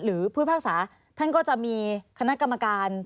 หรือผู้พลภาคศาท่านก็จะมีคณะกรรมการ